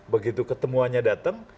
begitu ketemuannya datang